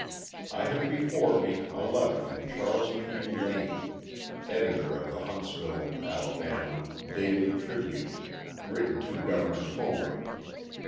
I have before me a letter from Charles P. Lane, editor of the Huntsville (Alabama) Daily Tribune, written to Governor Comer.